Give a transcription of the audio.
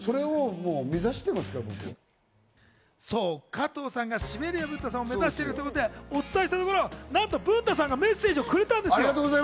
加藤さんがシベリア文太さんを目指しているとお伝えしたところ、何と文太さんがメッセージをくれたんですよ。